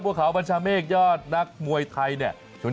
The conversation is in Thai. ขาวบัญชาเมฆยอดนักมวยไทยเนี่ย